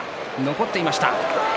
残っていました。